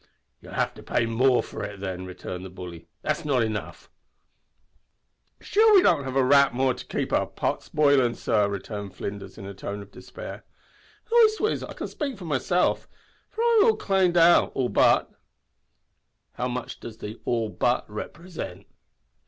"You'll have to pay more for it then," returned the bully. "That's not enough." "Sure we haven't got a rap more to kape our pots bilin', sor," returned Flinders, in a tone of despair. "Lastewise I can spake for myself; for I'm claned out all but." "Row much does the `all but' represent?"